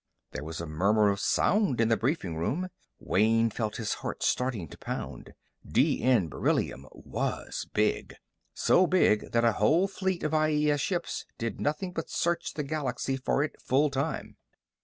There was a murmur of sound in the briefing room. Wayne felt his heart starting to pound; D N beryllium was big. So big that a whole fleet of IES ships did nothing but search the galaxy for it, full time.